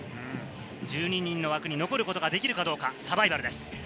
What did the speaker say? １２人の枠に残ることができるかどうか、サバイバルです。